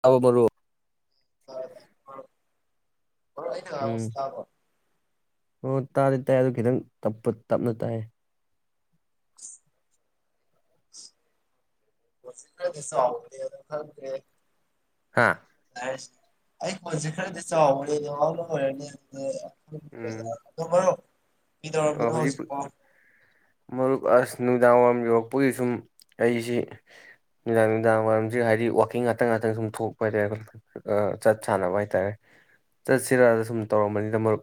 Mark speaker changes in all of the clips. Speaker 1: ꯇꯥꯕ ꯃꯔꯨꯞ
Speaker 2: ꯇꯥꯏ ꯇꯥꯏ ꯃꯔꯨꯞ ꯃꯔꯨꯞ ꯑꯩꯅꯥ
Speaker 1: ꯎꯝ
Speaker 2: ꯉꯥꯡꯕꯖꯦ ꯇꯥꯕꯔꯣ
Speaker 1: ꯑꯣ ꯇꯥꯗꯤ ꯇꯥꯏ ꯑꯗꯨ ꯈꯤꯇꯪ ꯇꯞꯇꯛ ꯇꯞꯅ ꯇꯥꯏꯌ‌ꯦ
Speaker 2: [unintelligible] ꯈꯪꯗ꯭ꯔ‌ꯦ
Speaker 1: ꯍꯥꯥ
Speaker 2: ꯑ‌ꯦꯁ ꯑꯩ ꯀꯣꯟꯁꯦ ꯈꯔꯗꯤ ꯆꯥꯎꯕꯅ‌ꯦ
Speaker 1: ꯎꯝ
Speaker 2: [unintelligible] ꯔꯣ
Speaker 1: ꯑꯣ
Speaker 2: ꯀꯩꯗꯧꯔꯝꯃꯤꯅꯣ
Speaker 1: ꯍꯧꯖꯤꯛ
Speaker 2: ꯍꯧꯖꯤꯛꯄ‌ꯣ
Speaker 1: ꯃꯔꯨꯞ ꯑꯁ ꯅꯨꯡꯗꯥꯡ ꯋꯥꯏꯔꯝ ꯌꯧꯔꯛꯄꯒꯤ ꯁꯨꯝ ꯑꯩꯁꯤ ꯅꯨꯡꯗꯥꯡ ꯅꯨꯡꯗꯥꯡ ꯋꯥꯏꯔꯝꯁꯤ ꯍꯥꯏꯗꯤ ꯋꯥꯛꯀꯤꯡ ꯉꯥꯛꯇꯪ ꯉꯥꯛꯇꯪ ꯁꯨꯝ ꯊꯣꯛꯄ ꯍꯥꯏꯇꯥꯔꯦ ꯆꯠ ꯁꯥꯟꯅꯕ ꯍꯥꯏꯇꯥꯔꯦ ꯆꯠꯁꯤꯔꯅ ꯁꯨꯝ ꯇꯧꯔꯝꯕꯅꯤꯗ ꯃꯔꯨꯞ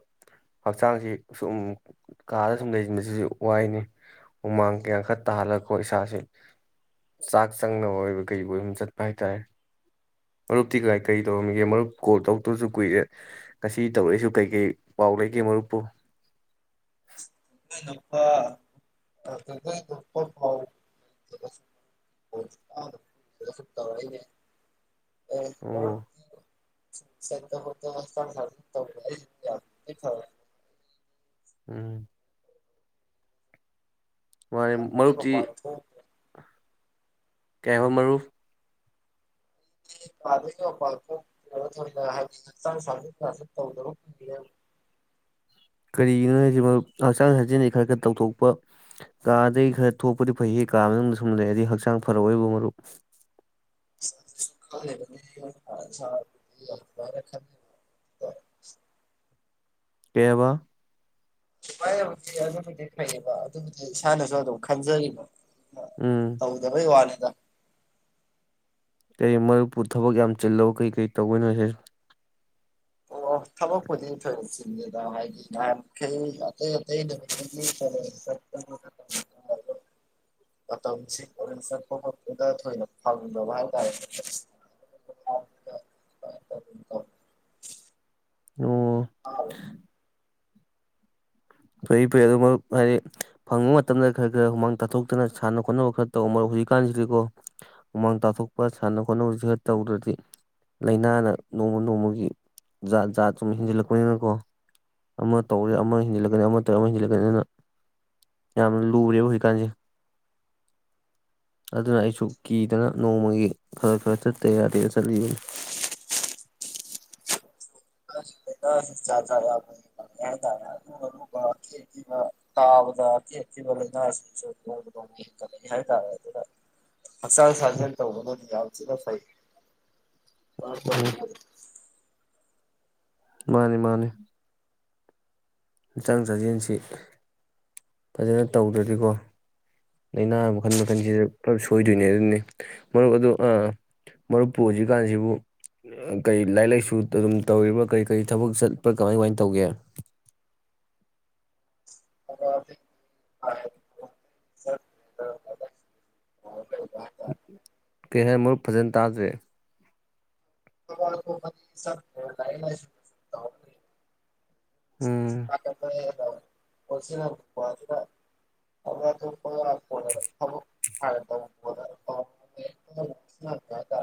Speaker 1: ꯍꯛꯆꯥꯡꯁꯤ ꯁꯨꯝ ꯀꯥꯗ ꯁꯨꯝ ꯂꯩꯁꯤꯟꯕꯁꯤꯁꯨ ꯋꯥꯏꯅꯤ ꯍꯨꯃꯥꯡ ꯀꯌꯥ ꯈꯔ ꯇꯥꯍꯜꯂꯀꯣ ꯏꯁꯥꯁꯤ ꯆꯥꯛ ꯆꯪꯅꯕ ꯑꯣꯏꯕ ꯀꯔꯤꯕ‌ꯣꯢ ꯆꯠꯄ ꯍꯥꯏꯇꯥꯔꯦ ꯃꯔꯨꯞꯇꯤ ꯀꯥꯏ ꯀꯔꯤ ꯇꯧꯔꯝꯃꯤꯒꯦ ꯃꯔꯨꯞ ꯀꯣꯜ ꯇꯧꯛꯇꯕꯁꯨ ꯀꯨꯏꯔꯦ ꯉꯁꯤ ꯇꯧꯔꯛꯏꯁꯨ ꯀꯩꯀꯩ ꯄꯥꯎ ꯂꯩꯒꯦ ꯃꯔꯨꯞꯄ‌ꯣ
Speaker 2: ꯥ [unintelligible] ꯑ
Speaker 1: ꯑꯣ
Speaker 2: [unintelligible]
Speaker 1: ꯎꯝ ꯃꯥꯅ‌ꯦ ꯃꯔꯨꯞꯇꯤ ꯀꯩ ꯍꯥꯢꯕ ꯃꯔꯨꯞ
Speaker 2: ꯥ [unintelligible]
Speaker 1: ꯀꯔꯤꯒꯤꯅꯣ ꯍꯥꯏꯁꯤ ꯃꯔꯨꯞ ꯍꯛꯆꯥꯡ ꯁꯥꯖ‌ꯦꯜꯗꯤ ꯈꯔ ꯈꯔ ꯇꯧꯊꯣꯛꯄ ꯀꯥꯗꯒꯤ ꯈꯔ ꯊꯣꯛꯄꯗꯤ ꯐꯩꯍꯦ ꯀꯥ ꯃꯅꯨꯡꯗ ꯁꯨꯝ ꯂꯩꯔꯗꯤ ꯍꯛꯆꯥꯡ ꯐꯔꯛꯑꯣꯏꯕ ꯃꯔꯨꯞ
Speaker 2: [unintelligible]
Speaker 1: ꯀꯩ ꯍꯥꯕ
Speaker 2: ꯍꯧ ꯑꯗꯨꯕꯨꯗꯤ ꯂꯩꯩꯌꯦꯕ ꯑꯗꯨꯕꯨꯗꯤ ꯏꯁꯥꯅꯁꯨ ꯑꯗꯨꯝ ꯈꯟꯖꯔꯤꯕ
Speaker 1: ꯎꯝ
Speaker 2: ꯇꯧꯗꯕꯩ ꯋꯥꯅꯤ [unintelligible]
Speaker 1: ꯀꯔꯤ ꯃꯔꯨꯞꯄꯨ ꯊꯕꯛ ꯌꯥꯝ ꯆꯤꯜꯂꯥꯕꯥ ꯀꯔꯤ ꯀꯔꯤ ꯇꯧꯕꯩꯅꫭ ꯍꯥꯏꯁꯤ
Speaker 2: ꯑꯣ ꯊꯕꯛꯄꯨꯗꯤ ꯊꯣꯏꯅꯣꯛ ꯆꯤꯟꯗꯦꯗ ꯍꯥꯏꯗꯤ ꯉꯥꯏꯍꯈꯩ ꯑꯇꯩ ꯑꯇꯩ ꯅꯨꯃꯤ ꯃꯇꯝꯁꯤ ꯀꯣꯔꯦꯟ ꯆꯠꯄ ꯈꯣꯄꯗ ꯊꯣꯏꯅ ꯐꯪꯗꯕ ꯍꯥꯏꯇꯥꯔꯦ
Speaker 1: ꯑꯣ
Speaker 2: ꯑꯥꯎ
Speaker 1: ꯐꯩ ꯐꯩ ꯑꯗꯨ ꯃꯔꯨꯞ ꯍꯥꯏꯗꯤ ꯐꯪꯕ ꯃꯇꯝꯗ ꯈꯔ ꯈꯔ ꯍꯨꯃꯥꯡ ꯇꯥꯊꯣꯛꯇꯅ ꯁꯥꯟꯅ ꯈꯣꯠꯅꯕ ꯈꯔ ꯇꯧ ꯃꯔ ꯍꯧꯖꯤꯛꯀꯥꯟꯁꯤꯗꯤꯀꯣ ꯍꯨꯃꯥꯡ ꯇꯥꯊꯣꯛꯄ ꯁꯥꯟꯅ ꯈꯣꯠꯅꯕꯁꯤ ꯈꯔ ꯇꯧꯗ꯭ꯔꯗꯤ ꯂꯥꯏꯅꯥꯅ ꯅꯣꯡꯃ ꯅꯣꯡꯃꯒꯤ ꯖꯥꯠ ꯖꯥꯠ ꯁꯨꯝ ꯍꯦꯟꯖꯜꯂꯛꯄꯅꯤꯅꯀꯣ ꯑꯃ ꯇꯧꯔꯦ ꯑꯃ ꯍꯦꯟꯖꯜꯂꯛ ꯑꯃꯠꯇ ꯑꯃ ꯍꯦꯟꯁꯤꯜꯂꯛꯀꯅꯤ ꯑꯗꯨꯅ ꯌꯥꯝꯅ ꯂꯨꯔꯦꯕ ꯍꯧꯖꯤꯛꯀꯥꯟꯁꯦ ꯑꯗꯨꯅ ꯑꯩꯁꯨ ꯀꯤꯗꯅ ꯅꯣꯡꯃꯒꯤ ꯈꯔ ꯈꯔ ꯆꯠꯇ ꯌꯥꯗꯦ ꯆꯠꯂꯤꯕꯅꯤ
Speaker 2: ꯆꯥꯊꯔꯛ ꯍꯥꯏ ꯇꯔꯦ ꯑꯔꯨ ꯑꯔꯨꯕ ꯀꯦꯈꯤꯕ ꯇꯥꯕꯗ ꯀꯦꯈꯤꯕ ꯂꯩ ꯍꯥꯏ ꯇꯔꯦ ꯑꯗꯨꯗ ꯍꯛꯆꯥꯡ ꯁꯥꯖꯜ ꯁꯤꯅꯥ ꯐꯥꯏ [inaudible]
Speaker 1: ꯎꯝ ꯃꯥꯅꯤ ꯃꯥꯅꯤ ꯍꯛꯆꯥꯡ ꯆꯥꯛꯖꯦꯜꯁꯤ ꯐꯖꯅ ꯇꯧꯗ꯭ꯔꯗꯤꯀꯣ ꯂꯥꯏꯅꯥ ꯃꯈꯜ ꯃꯈꯜꯁꯤꯗ ꯄꯨꯂꯞ ꯁꯣꯏꯗꯣꯏꯅꯦ ꯑꯗꯨꯅꯤ ꯃꯔꯨꯞ ꯑꯗꯨ ꯃꯔꯨꯞꯄꯨ ꯍꯧꯖꯤꯛꯀꯥꯟꯁꯤꯕꯨ ꯀꯔꯤ ꯂꯥꯏꯔꯤꯛ ꯂꯥꯏꯁꯨ ꯑꯗꯨꯝ ꯇꯧꯔꯤꯕꯥ ꯀꯔꯤ ꯀꯔꯤ ꯊꯕꯛ ꯆꯠꯄ꯭ꯔꯥ ꯀꯃꯥꯏ ꯀꯃꯥꯏꯅ ꯇꯧꯒꯦ
Speaker 2: [unintelligible]
Speaker 1: ꯀꯩꯍꯥꯏ ꯃꯔꯨꯞ ꯐꯖꯟ ꯇꯗꯔꯦ
Speaker 2: [inaudible] [unintelligible]
Speaker 1: ꯎꯝ
Speaker 2: ꯑ ꯐ [inaudible] [unintelligible] ꯁꯤ ꯑꯗꯨ ꯑꯗꯨ ꯐꯣ ꯇ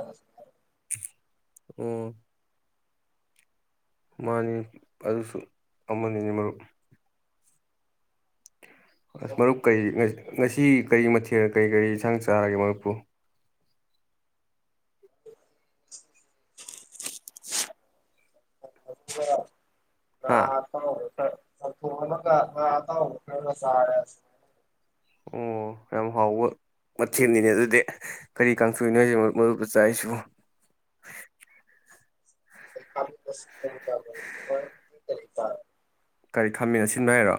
Speaker 1: ꯎꯝ ꯃꯥꯅꯤ ꯑꯗꯨꯁꯨ ꯑꯃꯅꯤꯅꯤꯅꯦ ꯃꯔꯨꯞ ꯑꯁ ꯃꯔꯨꯞ ꯀꯔꯤ ꯉꯁꯤ ꯀꯔꯤ ꯃꯊꯦꯜ ꯀꯔꯤ ꯀꯔꯤ ꯌꯦꯟꯁꯥꯡ ꯆꯥꯔꯒꯦ ꯃꯔꯨꯞꯄꯨ
Speaker 2: ꯑ
Speaker 1: ꯍꯥ
Speaker 2: ꯍ ꯊꯇꯥꯨ ꯈꯔ ꯉꯁꯔ
Speaker 1: ꯑꯣ ꯌꯥꯝ ꯍꯥꯎꯕ ꯃꯊꯦꯜꯅꯤꯅꯦ ꯑꯗꯨꯗꯤ ꯀꯔꯤ ꯀꯥꯡꯊꯣꯛꯏꯅꯣꯁꯦ ꯃꯔꯨꯨꯞꯕꯆꯥꯥꯁꯨ
Speaker 2: [inaudible]
Speaker 1: ꯀꯔꯤ ꯈꯥꯃꯤꯅ ꯁꯤꯟꯕꯣ ꯍꯥꯏꯔꯣ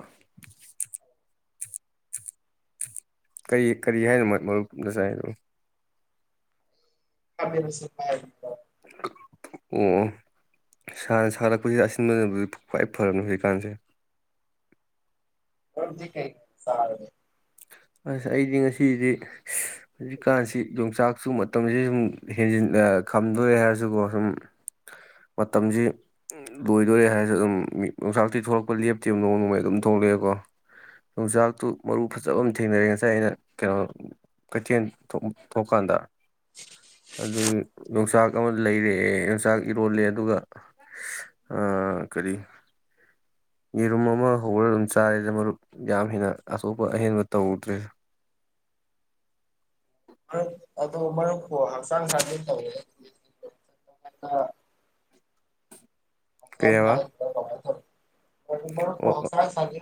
Speaker 1: ꯀꯔꯤ ꯀꯔꯤ ꯍꯥꯏꯅꯣ ꯃꯔꯨꯞꯅ ꯆꯥꯏꯅꯣ
Speaker 2: ꯀꯁ
Speaker 1: ꯑꯣ ꯁꯥꯔꯛꯄꯁꯤ ꯑꯁꯤꯟꯕꯗꯤ ꯈ꯭ꯋꯥꯏ ꯐꯔꯅꯤ ꯍꯧꯖꯤꯀꯥꯟꯁꯦ
Speaker 2: ꯗꯤ ꯀꯩ ꯁꯦ
Speaker 1: ꯑꯁ ꯑꯩꯗꯤ ꯉꯁꯤꯗꯤ ꯍꯧꯖꯤꯛꯀꯥꯟꯁꯤ ꯌꯣꯡꯆꯥꯛꯁꯨ ꯃꯇꯝꯁꯤ ꯁꯨꯝ ꯍꯦꯟꯖꯤꯟ ꯈꯝꯗꯣꯔꯦ ꯍꯥꯏꯔꯁꯨꯀꯣ ꯁꯨꯝ ꯃꯇꯝꯁꯤ ꯂꯣꯏꯗꯣꯔꯦ ꯍꯥꯏꯔꯁꯨ ꯑꯗꯨꯝ ꯌꯣꯡꯆꯥꯛꯇꯤ ꯊꯣꯛꯂꯛꯄ ꯂꯦꯞꯇꯦꯕ ꯅꯣꯡ ꯅꯣꯡꯃꯩ ꯑꯗꯨꯝ ꯊꯣꯛꯂꯛꯑꯦꯀꯣ ꯌꯣꯡꯆꯥꯛꯇꯨ ꯃꯔꯨ ꯐꯖꯕ ꯑꯃ ꯊꯦꯡꯅꯔꯦ ꯉꯁꯥꯏ ꯑꯩꯅ ꯀꯩꯅꯣ ꯀꯩꯊꯦꯜ ꯊꯣꯛꯀꯥꯟꯗ ꯑꯗꯨꯒꯤ ꯌꯣꯡꯆꯥꯛ ꯑꯃ ꯂꯩꯔꯦ ꯌꯣꯡꯆꯥꯛ ꯏꯔꯣꯜꯂꯦ ꯑꯗꯨꯒ ꯀꯔꯤ ꯌꯦꯔꯨꯝ ꯑꯃ ꯍꯧꯔꯒ ꯑꯗꯨꯝ ꯆꯥꯔꯤꯗ ꯃꯔꯨꯞ ꯌꯥꯝ ꯍꯦꯟꯅ ꯑꯁꯣꯛꯞꯄ ꯑꯍꯦꯟꯕ ꯇꯧꯗ꯭ꯔꯦ
Speaker 2: ꯑꯗꯨꯣ ꯃ ꯍꯁꯥꯡ ꯈꯗ
Speaker 1: ꯀꯩ ꯍꯥꯏꯕ
Speaker 2: ꯑꯥꯏ ꯊ
Speaker 1: ꯑꯣ ꯑꯣ
Speaker 2: ꯍꯁ ꯁꯥꯖꯤ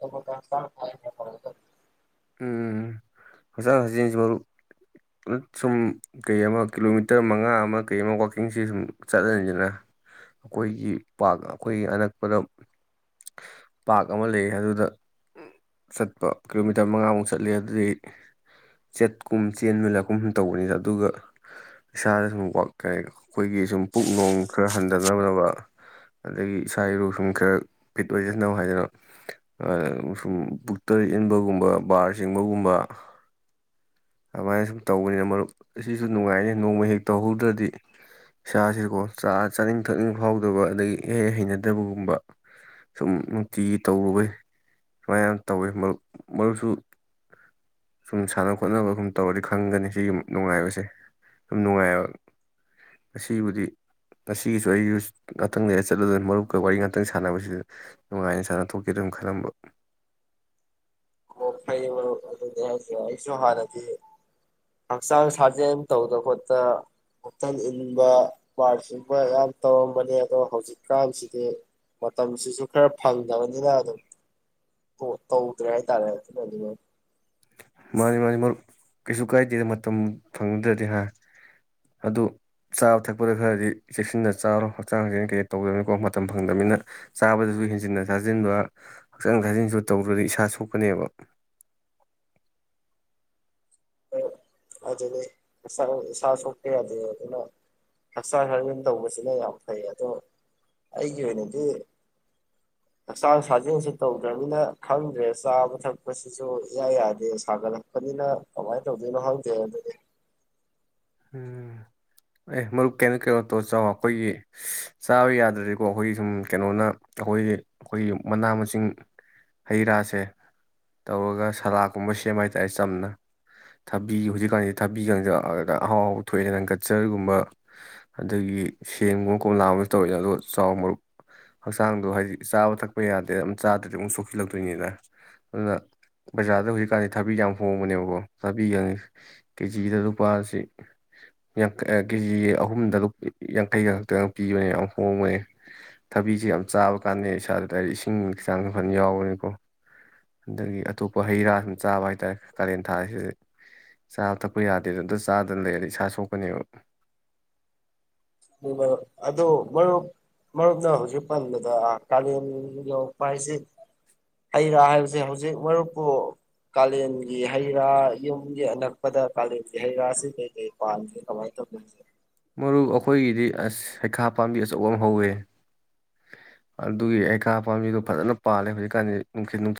Speaker 2: ꯊꯦ [unintelligible]
Speaker 1: ꯎ ꯍꯛꯆꯥꯡ ꯍꯛꯆꯦꯜꯁꯤ ꯃꯔꯨꯞ ꯁꯨꯝ ꯀꯩ ꯑꯃ ꯀꯤꯂꯣꯃꯤꯇꯔ ꯃꯉꯥ ꯑꯃ ꯀꯩ ꯑꯃ ꯋꯥꯛꯀꯤꯡꯁ ꯁꯨꯝ ꯆꯠꯂꯅꯤꯗꯅ ꯑꯩꯈꯣꯏꯒꯤ ꯄꯥꯛ ꯑꯩꯈꯣꯏꯒꯤ ꯑꯅꯛꯄꯗ ꯄꯥꯛ ꯑꯃ ꯂꯩ ꯑꯗꯨꯗ ꯆꯠꯄ ꯀꯤꯂꯣ ꯂꯤꯇꯔ ꯃꯉꯥꯃꯨꯛ ꯆꯠꯂꯦ ꯑꯗꯨꯗꯤ ꯆꯠꯀꯨꯝ ꯆꯦꯟꯃꯤꯂꯛꯀꯨꯝ ꯇꯧꯕꯅꯤꯅ ꯑꯗꯨꯒ ꯏꯁꯥꯗ ꯁꯨꯝ ꯋ ꯀ ꯑꯩꯈꯣꯏꯒꯤ ꯁꯨꯝ ꯄꯨꯛ ꯅꯨꯡ ꯈꯔ ꯍꯟꯊꯅꯕꯅꯕ ꯑꯗꯒꯤ ꯏꯁꯥ ꯏꯔꯣꯛ ꯁꯨꯝ ꯈꯔ ꯐꯤꯠ ꯑꯣꯏꯖꯅꯕ ꯍꯥꯏꯗꯅ ꯁꯨꯝ ꯄꯨꯛꯇ ꯏꯟꯕꯒꯨꯝꯕ ꯒꯕ ꯕꯥꯔ ꯆꯤꯡꯕꯒꯨꯝꯕ ꯑꯗꯨꯃꯥꯏꯅ ꯁꯨꯝ ꯇꯧꯕꯅꯤꯅ ꯃꯔꯨꯞ ꯑꯁꯤꯁꯨ ꯅꯨꯡꯉꯥꯏꯅꯤ ꯅꯣꯡꯃ ꯍꯦꯛ ꯇꯧꯍꯧꯗ꯭ꯔꯗꯤ ꯏꯁꯥꯁꯤꯀꯣ ꯆꯥ ꯆꯥꯅꯤꯡ ꯊꯛꯅꯤꯡ ꯐꯥꯎꯗꯕ ꯑꯗꯒꯤ ꯍꯦꯛ ꯍꯩꯅꯗꯕꯒꯨꯝꯕ ꯁꯨꯝ ꯅꯨꯡꯇꯤꯒꯤ ꯇꯧꯔꯨꯕꯩ ꯁꯨꯃꯥꯏꯅ ꯌꯥꯝ ꯇꯧꯋꯤ ꯃꯔꯨꯞ ꯃꯔꯨꯞꯁꯨ ꯁꯨꯝ ꯁꯥꯟꯅ ꯈꯣꯠ ꯍꯣꯠꯅꯕꯒꯨꯝ ꯇꯧꯔꯗꯤ ꯈꯪꯒꯅꯤ ꯁꯤꯒꯤ ꯅꯨꯡꯉꯥꯏꯕꯁꯦ ꯁꯨꯝ ꯅꯨꯡꯉꯥꯏꯕ ꯉꯁꯤꯕꯨꯗꯤ ꯉꯁꯤꯒꯤꯁꯨ ꯑꯩꯁꯨ ꯉꯥꯛꯇꯪꯗ ꯆꯠꯂꯗꯣꯏꯅ ꯃꯔꯨꯞꯀ ꯋꯥꯔꯤ ꯉꯥꯛꯇꯛ ꯁꯥꯟꯅꯕꯁꯤꯗ ꯅꯨꯡꯉꯥꯏꯅ ꯁꯥꯟꯅ ꯊꯣꯛꯀꯦ ꯑꯗꯨꯝ ꯈꯜꯂꯝꯕ
Speaker 2: ꯑꯣ ꯐꯩ ꯃꯔꯨꯞ ꯑꯗꯨꯅꯦ ꯍꯥꯏꯁꯦ ꯑꯩꯁꯨ ꯍꯥꯟꯅꯗꯤ ꯍꯛꯆꯥꯡ ꯁꯥꯖꯦꯜ ꯇꯧꯗ ꯈꯣꯠꯇꯅ ꯄꯨꯛꯊꯟ ꯏꯟꯕ ꯄꯥꯔ ꯆꯤꯡꯕ ꯑꯣꯏꯒꯦꯔ ꯌꯥꯝ ꯇꯧꯔꯝꯕꯅꯦ ꯑꯗꯣ ꯍꯧꯖꯤꯛꯀꯥꯟꯁꯤꯗꯤ ꯃꯇꯝꯁꯤꯁꯨ ꯈꯔ ꯐꯪꯗꯕꯅꯤꯅ ꯑꯗꯨꯝ ꯇꯧꯗ꯭ꯔꯦ ꯍꯥꯏꯇꯥꯔꯦ [unintelligible]
Speaker 1: ꯃꯥꯅꯤ ꯃꯥꯅꯤ ꯃꯔꯨꯞ ꯀꯩꯁꯨ ꯀꯥꯏꯗꯦꯗ ꯃꯇꯝ ꯐꯪꯗ꯭ꯔꯗꯤ ꯍꯥ ꯑꯗꯨ ꯆꯥꯕ ꯊꯛꯄꯗ ꯈꯔꯗꯤ ꯆꯦꯛꯁꯤꯟꯅ ꯆꯥꯔꯣ ꯍꯛꯆꯥꯡ ꯍꯛꯆꯦꯜ ꯀꯩ ꯇꯧꯗꯕꯅꯀꯣ ꯃꯇꯝ ꯐꯪꯗꯕꯅꯤꯅ ꯆꯥꯕꯗꯁꯨ ꯍꯦꯟꯖꯤꯟꯅ ꯊꯥꯖꯤꯟꯕ ꯍꯛꯆꯥꯡ ꯁꯥꯥꯖꯤꯟꯁꯨ ꯇꯧꯗ꯭ꯔꯗꯤ ꯏꯁꯥ ꯁꯣꯛꯀꯅꯦꯕ
Speaker 2: ꯑꯗꯨꯅꯤ ꯍꯛꯆꯥꯡ ꯏꯁꯥ ꯁꯣꯛꯄ ꯌꯥꯗꯦ ꯑꯗꯨꯅ ꯍꯛꯆꯥꯡ ꯁꯥꯖꯦꯜ ꯇꯧꯕꯁꯤꯅ ꯌꯥꯝ ꯐꯩ ꯑꯗꯣ ꯑꯩꯒꯤ ꯑꯣꯏꯅꯗꯤ ꯍꯛꯆꯥꯡ ꯁꯥꯖꯦꯜꯁꯤ ꯇꯧꯗ꯭ꯔꯕꯅꯤꯅ ꯈꯪꯗ꯭ꯔꯦ ꯆꯥꯕ ꯊꯛꯄꯁꯤꯁꯨ ꯏꯌꯥ ꯌꯥꯗꯦ ꯁꯥꯒꯠꯂꯛꯄꯅꯤꯅ ꯀꯃꯥꯏꯅ ꯇꯧꯗꯣꯏꯅꯣ ꯈꯪ [unintelligible]
Speaker 1: ꯎꯝ ꯑꯦ ꯃꯔꯨꯞ ꯀꯦꯃꯤ ꯀꯩꯅꯣ ꯇꯧꯔ ꯆꯥꯎꯑꯣ ꯑꯩꯈꯣꯏꯒꯤ ꯆꯥꯕ ꯌꯥꯗ꯭ꯔꯗꯤꯀꯣ ꯑꯩꯈꯣꯏꯒꯤ ꯁꯨꯝ ꯀꯩꯅꯣꯅ ꯑꯩꯈꯣꯏꯒꯤ ꯑꯩꯈꯣꯏꯒꯤ ꯃꯅꯥ ꯃꯁꯤꯡ ꯍꯩ ꯔꯥꯁꯦ ꯇꯧꯔꯒ ꯁꯂꯥꯛ ꯀꯨꯝꯕ ꯁꯦꯝꯕ ꯍꯥꯏꯇꯥꯔꯦ ꯆꯝꯅ ꯊꯕꯤ ꯍꯧꯖꯤꯛꯀꯥꯟꯁꯤ ꯊꯕꯤꯒꯪꯖꯛꯑꯒ ꯑꯍꯥꯎ ꯑꯍꯥꯎ ꯊꯣꯛꯑꯦꯅ ꯍꯟꯒꯠ ꯀꯤꯛꯆꯔ ꯒꯨꯝꯕ ꯑꯗꯒꯤ ꯁꯦꯝꯒꯨꯝꯕ ꯀꯣꯃꯂꯥ ꯒꯨꯝꯕ ꯇꯧꯔꯥ ꯆꯥꯎ ꯑꯗꯣ ꯆꯥꯎ ꯃꯔꯨꯞ ꯍꯛꯆꯥꯡꯗꯣ ꯍꯥꯏꯗꯤ ꯆꯥꯕ ꯊꯛꯄ ꯌꯥꯗꯦꯗ ꯑꯃꯝ ꯆꯥꯗ꯭ꯔꯗꯤ ꯑꯃꯨꯛ ꯁꯣꯛꯆꯤꯜꯂꯛꯇꯣꯏꯅꯤꯅ ꯑꯗꯨꯅ ꯕꯖꯥꯔꯗ ꯍꯧꯖꯤꯛꯀꯥꯟꯗꯤ ꯊꯥꯕꯤ ꯌꯥꯝ ꯍꯣꯡꯕꯅꯦꯕꯀꯣ ꯊꯥꯕꯤꯒꯪꯉ ꯀꯦꯖꯤꯗ ꯂꯨꯄꯥꯁꯤ [unintelligible] ꯀꯦꯖꯤ ꯑꯍꯨꯝꯗ ꯌꯥꯡꯈꯩꯒ ꯈꯛꯇꯪ ꯄꯤꯕꯅꯦ ꯌꯥꯝ ꯍꯣꯡꯕꯅꯦ ꯊꯕꯤꯁ ꯌꯥꯝ ꯆꯥꯕ ꯀꯥꯟꯗ ꯏꯁꯥꯗꯗꯗꯤ ꯏꯁꯤꯡ ꯍꯛ ꯆꯥꯡꯁꯨ ꯐꯅ ꯌꯥꯎꯕꯅꯤꯀꯣ ꯑꯗꯒꯤ ꯑꯇꯣꯞꯄ ꯍꯩ ꯔꯥ ꯁꯨꯝ ꯆꯥꯕ ꯍꯥꯏꯇꯥꯔꯦ ꯀꯥꯔꯦꯟ ꯊꯥꯁꯤꯗ ꯆꯥꯕ ꯊꯛꯄ ꯌꯥꯗꯦꯗ ꯑꯝ ꯆꯥꯗꯅ ꯂꯩ ꯑꯗ ꯏꯁꯥ ꯁꯣꯛ [unintelligible]
Speaker 2: ꯃꯔꯨꯞ ꯑꯗꯨ ꯃꯔꯨꯞ ꯃꯔꯨꯞꯅ ꯍꯧꯖꯤꯛ ꯄꯟꯕꯗ ꯀꯥꯂꯦꯟ ꯌꯧꯔꯛꯄ ꯍꯥꯏꯁꯦ ꯍꯩꯔꯥ ꯍꯥꯏꯕꯁꯦ ꯍꯧꯖꯤꯛ ꯃꯔꯨꯞꯄꯨ ꯀꯥꯂꯦꯟꯒꯤ ꯍꯩꯔꯥ ꯌꯨꯝꯒꯤ ꯑꯅꯛꯄꯗ ꯀꯥꯂꯦꯟꯒꯤ ꯍꯩꯔꯥꯁꯤ ꯀꯩ ꯀꯩ ꯄꯥꯒꯦ ꯀꯃꯥꯏꯅ ꯇꯧꯕꯒꯦ
Speaker 1: ꯃꯔꯨꯞ ꯑꯩꯈꯣꯏꯒꯤꯗꯤ ꯑꯁ ꯍꯩꯈꯥ ꯄꯥꯝꯕꯤ ꯑꯆꯧꯕ ꯑꯃ ꯍꯧꯋꯦ꯫ ꯑꯗꯨꯒꯤ ꯍꯩꯀꯥ ꯄꯥꯝꯕꯤꯗꯨꯣ ꯐꯖꯅ ꯄꯥꯜꯂꯦ ꯍꯧꯖꯤꯛꯀꯥꯟꯗꯤ ꯅꯨꯡꯊꯤꯜ ꯅꯨꯡ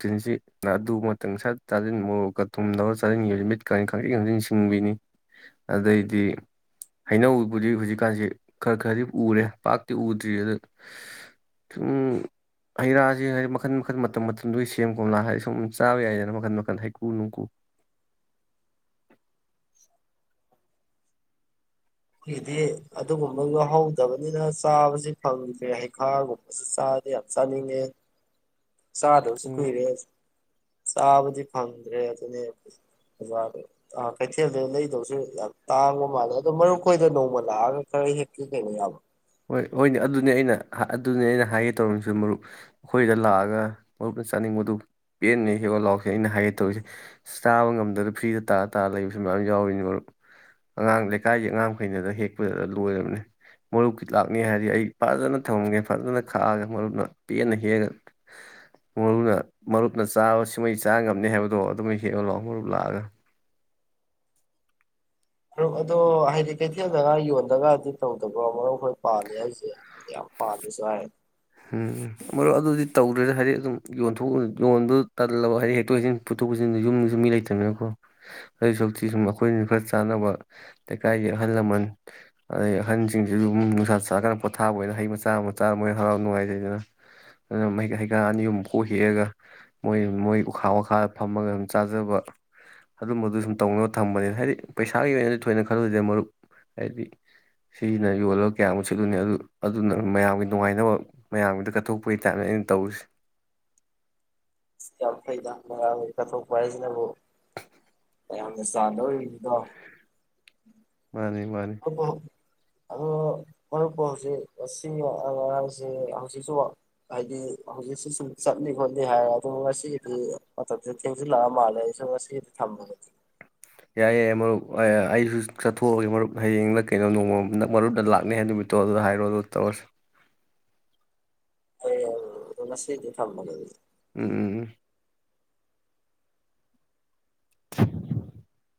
Speaker 1: ꯇꯤꯟꯁꯤ ꯑꯗꯨ ꯃꯇꯪ ꯁꯠ ꯆꯥꯁꯤꯟ ꯃꯣꯔꯣꯛꯀ ꯊꯨꯝꯗꯧ ꯆꯥꯁꯤꯟ ꯒꯤꯕꯁꯤ ꯃꯤꯠꯀꯁꯤ ꯈꯪꯁꯤꯡ ꯈꯪꯁꯤꯡ ꯁꯤꯡꯕꯤꯅꯤ ꯑꯗꯩꯗꯤ ꯍꯩꯅꯧꯕꯨꯗꯤ ꯍꯧꯖꯤꯛꯀꯥꯟꯁꯤ ꯈꯔ ꯈꯔꯗꯤ ꯎꯔꯦ ꯄꯥꯛꯇꯤ ꯎꯗ꯭ꯔꯤ ꯑꯗ ꯁꯨꯝ ꯍꯩꯔꯥꯁꯦ ꯍꯥꯏꯗꯤ ꯃꯈꯟ ꯃꯈꯟ ꯃꯇꯝ ꯃꯇꯝ ꯁꯨꯝꯗꯣꯏ ꯁꯦꯝ ꯀꯣꯝꯂꯥ ꯍꯥꯏꯗꯤ ꯁꯨꯝ ꯆꯥꯕ ꯌꯥꯏꯗꯅ ꯃꯈꯟ ꯃꯈꯟ ꯍꯩꯀꯨ ꯅꯨꯡꯀꯨ
Speaker 2: ꯁꯤꯗꯤ ꯑꯗꯨꯒꯨꯝꯕ ꯉꯍꯧꯗꯕꯅꯤꯅ ꯆꯥꯕꯁꯤ ꯐꯪꯗ꯭ꯔꯦ ꯍꯩꯈꯥꯒꯨꯝꯕꯁꯤ ꯆꯥꯗꯤ ꯌꯥꯝ ꯆꯥꯅꯤꯡꯉꯦ꯫ ꯆꯥꯗꯕꯁꯨ ꯀꯨꯏꯔꯦ꯫ ꯆꯥꯕꯗꯤ ꯐꯪꯗ꯭ꯔꯦ ꯑꯗꯨꯅꯦ ꯑꯣꯖꯥ ꯀꯩꯊꯦꯜꯗ ꯂꯩꯗꯧꯕꯁꯨ ꯌꯥꯝ ꯇꯥꯡꯕ ꯃꯥꯜꯂꯦ ꯑꯗꯣ ꯃꯔꯨꯞ ꯑꯩꯈꯣꯏꯗ ꯅꯣꯡꯃ ꯂꯥꯛꯑꯒ ꯈꯔ ꯍꯦꯛꯀꯦ ꯀꯩꯅꯣ ꯌꯥꯕ
Speaker 1: ꯍꯣꯏ ꯍꯣꯏꯅꯦ ꯑꯗꯨꯅꯤ ꯑꯩꯅ ꯑꯗꯨꯅꯤ ꯑꯩꯅ ꯍꯥꯏꯒꯦ ꯇꯧꯔꯤꯃꯤꯁꯨ ꯃꯔꯨꯞ ꯑꯩꯈꯣꯏꯗ ꯂꯥꯛꯑꯒ ꯃꯔꯨꯞꯅ ꯆꯥꯅꯤꯡꯕꯗꯨ ꯄꯦꯟꯅ ꯍꯦꯛꯎ ꯂꯥꯛꯑꯣ ꯑꯩꯅ ꯍꯥꯏꯒꯦ ꯇꯧꯔꯤꯁꯦ ꯆꯥꯕ ꯉꯝꯗ꯭ꯔ ꯐ꯭ꯔꯤꯗ ꯇꯥꯔ ꯇꯥꯔꯥ ꯂꯩꯕꯁꯨ ꯃꯌꯥꯝ ꯌꯥꯎꯔꯤꯅꯤ ꯃꯔꯨꯞ ꯑꯉꯥꯡ ꯂꯩꯀꯥꯏꯒꯤ ꯑꯉꯥꯡꯈꯩꯅꯗ ꯍꯦꯛꯄꯗ ꯂꯣꯏꯔꯕꯅꯤ ꯃꯔꯨꯞ ꯂꯥꯛꯅꯤ ꯍꯥꯏꯔꯗꯤ ꯑꯩ ꯐꯖꯅ ꯊꯝꯒꯦ ꯐꯖꯅ ꯈꯥꯛꯑꯒ ꯃꯔꯨꯞꯅ ꯄꯦꯟꯅ ꯍꯦꯛꯑꯒ ꯃꯔꯨꯅ ꯃꯔꯨꯞꯅ ꯆꯥꯕ ꯁꯃꯩ ꯆꯥ ꯉꯝꯅꯤ ꯍꯥꯏꯕꯗꯣ ꯑꯗꯨꯝ ꯍꯦꯛꯉ ꯂꯥꯛꯑꯣ ꯃꯔꯨꯞ ꯂꯥꯛꯑꯒ
Speaker 2: ꯃꯔꯨꯞ ꯑꯗꯣ ꯍꯥꯏꯗꯤ ꯀꯩꯊꯦꯜꯗꯒ ꯌꯣꯟꯗꯒꯗꯤ ꯇꯧꯗꯕ꯭ꯔꯣ ꯃꯔꯨꯞ ꯑꯩꯈꯣꯏ ꯄꯥꯟꯗꯦ ꯍꯥꯏꯁꯦ ꯌꯥꯝ ꯄꯥꯜꯂꯦꯁꯨ ꯍꯥꯏ
Speaker 1: ꯎꯝ ꯃꯔꯨꯞ ꯑꯗꯨꯗꯤ ꯇꯧꯗ꯭ꯔꯦꯗ ꯍꯥꯏꯗꯤ ꯑꯗꯨꯝ ꯌꯣꯟꯊꯣꯛ ꯌꯣꯟꯕꯗꯨ ꯇꯟꯂꯕ ꯍꯥꯏꯗꯤ ꯍꯦꯛꯇꯣꯛ ꯍꯦꯛꯆꯟ ꯄꯨꯊꯣꯛ ꯄꯨꯁꯤꯟꯗ ꯌꯨꯝꯁꯨꯨꯝ ꯃꯤ ꯂꯩꯇꯕꯅꯤꯅꯀꯣ ꯑꯗꯨꯩ ꯁꯛꯇꯤ ꯁꯨꯝ ꯑꯩꯈꯣꯏꯅꯁꯨ ꯈꯔ ꯆꯥꯅꯕ ꯂꯩꯀꯥꯏꯒꯤ ꯑꯍꯜ ꯂꯃꯟ ꯑꯗꯩ ꯑꯍꯟꯁꯤꯡꯁꯤꯁꯨ ꯑꯗꯨꯝ ꯅꯨꯡꯁꯥ ꯆꯥꯀꯅ ꯄꯣꯊꯥꯕ ꯑꯣꯏꯅ ꯍꯩ ꯃꯆꯥ ꯃꯆꯥ ꯑꯃꯅ ꯍꯔꯥꯎ ꯅꯨꯡꯉꯥꯏꯖꯩꯗꯅ ꯑꯗꯨꯅꯩ ꯍꯩꯀꯥ ꯑꯅꯤꯃꯨꯝ ꯀꯣꯛ ꯍꯦꯛꯑꯒ ꯃꯣꯏ ꯃꯣꯏ ꯎꯈꯥ ꯋꯥꯈꯥꯗ ꯐꯝꯃꯒ ꯑꯗꯨꯝ ꯆꯥꯖꯕ ꯑꯗꯨꯝꯕꯗꯨ ꯁꯨꯝ ꯇꯧꯅꯕ ꯊꯝꯕꯅꯤꯅ ꯍꯥꯏꯗꯤ ꯄꯩꯁꯥꯒꯤ ꯑꯣꯏꯅꯗꯤ ꯊꯣꯏꯅ ꯈꯜꯂꯨꯁꯤꯗꯦ ꯃꯔꯨꯞ ꯍꯥꯏꯗꯤ ꯁꯤꯖꯤꯅ ꯌꯣꯜꯂꯒ ꯀꯌꯥꯃꯨꯛ ꯁꯠꯂꯨꯅꯤ ꯑꯗꯨ ꯑꯗꯨꯅ ꯃꯌꯥꯝꯒꯤ ꯅꯨꯡꯉꯥꯏꯅꯕ ꯃꯌꯥꯝꯒꯤꯗ ꯀꯠꯊꯣꯛꯄꯒꯤ ꯇꯥꯏꯞꯅꯦ ꯑꯩꯅ ꯇꯧꯔꯤꯁꯤ
Speaker 2: ꯑꯁ ꯌꯥꯝ ꯐꯥꯏꯗ ꯀꯠꯊꯣꯛꯄ ꯍꯥꯏꯁꯤꯅꯕꯨ ꯃꯌꯥꯝꯅꯥ ꯆꯥ ꯂꯧꯔꯨꯔꯤꯗꯣ
Speaker 1: ꯃꯥꯅꯤ ꯃꯥꯅꯤ
Speaker 2: ꯑ ꯃꯔꯛꯄꯨ ꯍꯧꯖꯤꯛ ꯉꯁꯤ ꯑꯉꯥꯡꯁꯤ ꯍꯧꯖꯤꯛꯁꯨ ꯍꯥꯏꯗꯤ ꯍꯧꯖꯤꯛꯁꯨ ꯁꯨꯝ ꯆꯠꯂꯤ ꯈꯣꯠꯂꯤ ꯍꯥꯏꯔꯦ ꯑꯗꯨ ꯉꯁꯤꯒꯤꯗꯤ ꯃꯇꯝꯁꯤꯗ ꯊꯦꯡꯖꯤꯜꯂꯛꯑ ꯃꯥꯜꯂꯦ ꯑꯩ ꯁꯨꯝ ꯉꯁꯤꯒꯤꯗꯤ ꯊꯃꯒ
Speaker 1: ꯌꯥꯏ ꯌꯥꯏ ꯃꯔꯨꯞ ꯑꯩꯁꯨ ꯆꯠꯊꯣꯛꯑꯁꯤꯦ ꯃꯔꯨꯞ ꯍꯌꯦꯡꯅ ꯀꯩꯅꯣ ꯅꯣꯡꯃ ꯃꯔꯨꯞꯅ ꯂꯥꯛꯅꯤ ꯍꯥꯏ ꯅꯨꯃꯤꯠꯇꯣ ꯑꯗꯨꯗ ꯍꯥꯏꯔꯣ ꯑꯗꯨ ꯇꯧꯔꯁꯤ
Speaker 2: ꯍꯣꯏ ꯉꯁꯤꯗꯤ ꯊꯝꯃꯒꯦ
Speaker 1: ꯎꯝ ꯎꯝ ꯎꯝ [unintelligible]